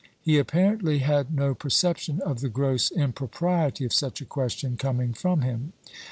He apparently had no perception of the gross impropriety of such a question coming from him.